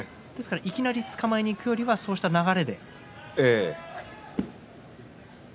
いきなりつかまえにいくよりはそういう流れで。